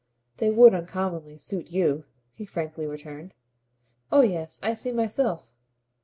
"They would uncommonly suit you," he frankly returned. "Oh yes, I see myself!"